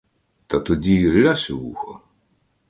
Та тоді — лясь у вухо!